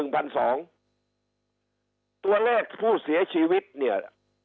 ตัวเลขผู้เสียชีวิตเนี่ย